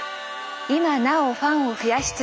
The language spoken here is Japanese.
今なおファンを増やし続け